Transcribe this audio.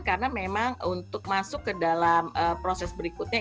karena memang untuk masuk ke dalam proses berikutnya